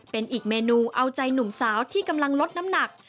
เป็นอีกเมนูเอาใจหนุ่มสาวที่กำลังลดน้ำหนัก